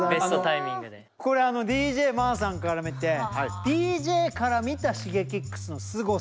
これＤＪマーさんから見てＤＪから見たＳｇｅｋｉｘのすごさ